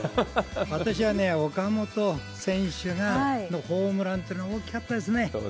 私はね、岡本選手のホームランっていうのが大きかったですね。